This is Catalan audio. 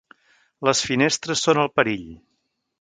Les finestres són el perill.